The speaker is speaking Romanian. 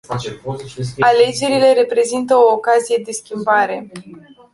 Alegerile reprezintă o ocazie de schimbare.